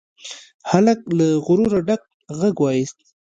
هلک له غروره ډک غږ واېست.